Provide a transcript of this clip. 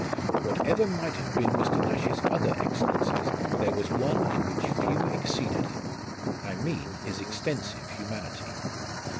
Whatever might have been Mr, Nash's other excellences, there was one in which few exceeded him ; I mean his extensive humanity.